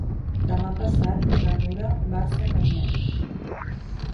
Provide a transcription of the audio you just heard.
Demà passat na Nura va a Sacanyet.